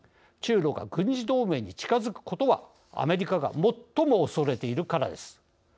中ロが軍事同盟に近づくことはアメリカが最もおそれているからです。